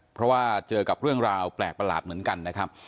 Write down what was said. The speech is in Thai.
เพราะว่าเจอกับเรื่องราวแปลกประหลาดเหมือนกันนะครับ